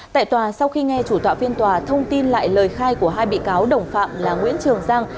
tại tòa sau khi nghe chủ tọa phiên tòa thông tin lại lời khai của hai bị cáo đồng phạm là nguyễn trường giang